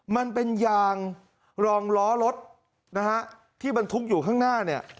มันเป็นยางรองล้อรถที่มันทุกข์อยู่ข้างหน้า